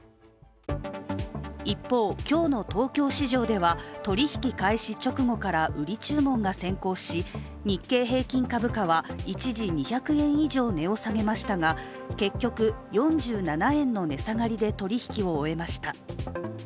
一方、今日の東京市場では取引開始直後から売り注文が先行し日経平均株価は一時２００円以上値を下げましたが、結局４７円の値下がりで取引を終えました。